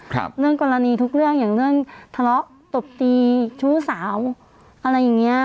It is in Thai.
เรื่องกรณีทุกเรื่องอย่างเรื่องทะเลาะตบตีชู้สาวอะไรอย่างเงี้ย